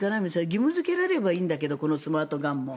義務付けられればいいんだけどこのスマートガンも。